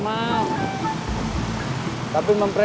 itu kapal c utara